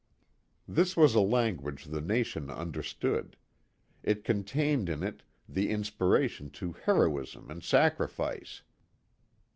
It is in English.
This was a language the nation understood. It contained in it the inspiration to heroism and sacrifice.